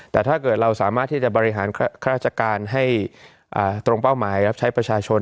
แต่ถ้าเกิดเราสามารถที่จะบริหารข้าราชการให้ตรงเป้าหมายรับใช้ประชาชน